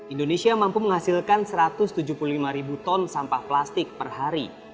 indonesia mampu menghasilkan satu ratus tujuh puluh lima ribu ton sampah plastik per hari